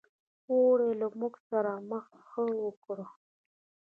اوړي له موږ سره مخه ښه وکړل.